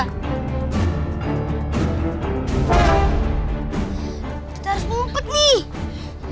kita harus mumpet nih